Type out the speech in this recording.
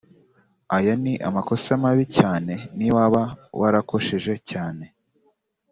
Aya ni amakosa mabi cyane n’iyo waba warakosheje cyane